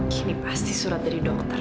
kini pasti surat dari dokter